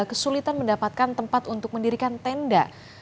kesulitan mendapatkan tempat untuk mendirikan tenda